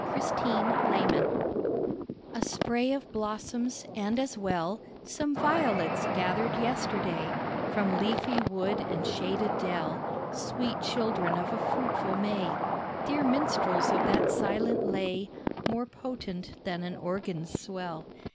A SPRING POSY A spray of blossoms, and as well Some violets, gathered yesterday From leafy wood and shaded dell, Sweet children of a fruitful May; Dear minstrels of that silent lay More potent than an organ's swell.